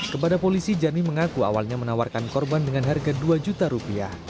kepada polisi jani mengaku awalnya menawarkan korban dengan harga dua juta rupiah